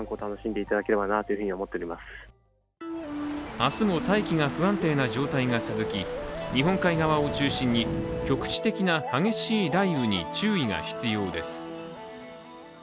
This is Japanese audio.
明日も大気が不安定な状態が続き日本海側を中心に局地的な激しい雷雨に注意が必要です。